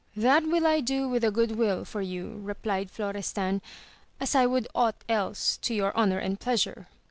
That will I do with a good will for you, replied Florestan, as I would aught else to your honour and pleasure.